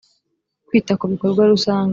kwita ku ibikorwa rusange